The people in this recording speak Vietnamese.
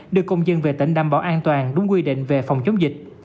đưa công dân về tỉnh đảm bảo an toàn đúng quy định về phòng chống dịch